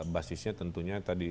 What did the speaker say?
basisnya tentunya tadi